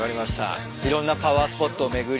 いろんなパワースポットを巡り